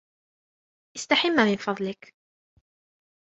استحم من فضلك.